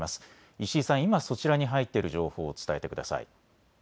石井さん、今そちらに入っている情報を伝えてください。